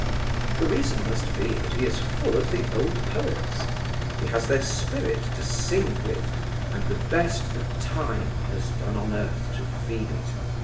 The reason must be, that he is full of the old poets. He has their spirit to sing with, and the best that Time has done on earth to feed it.